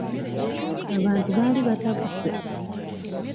Abantu baali batabuse.